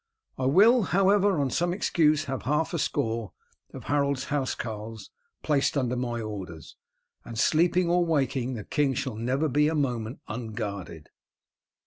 I will, however, on some excuse have half a score of Harold's housecarls placed under my orders, and sleeping or waking the king shall never be a moment unguarded.